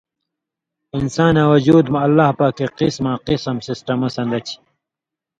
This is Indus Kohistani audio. انساناں وجُود مہ اللہ پاکے قِسما قِسم سسٹمہ سن٘دہ چھی۔